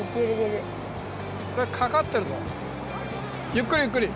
ゆっくりゆっくり。